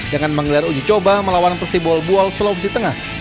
dengan mengelir uji coba melawan persibol buol sulawesi tengah